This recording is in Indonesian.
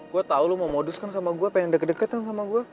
gue tau lo mau moduskan sama gue pengen deket deket kan sama gue